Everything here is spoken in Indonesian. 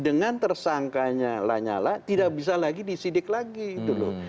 dengan tersangkanya lanyala tidak bisa lagi disidik lagi gitu loh